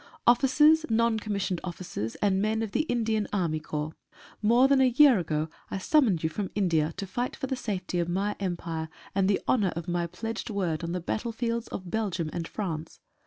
Officers, Non Commissioned Officers, and men of the Indian Army Corps, — More than a year ago I summoned you from India to fight for the safety of My Empire and the honour of My pledged word on the battlefields of Belgium and France.